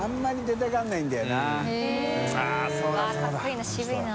わぁかっこいいな渋いな。